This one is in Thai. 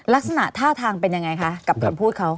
ลักษณะท่าทางเป็นยังไงคะกับคำพูดเขา